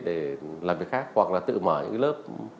để làm việc khác hoặc là tự mở những cái lớp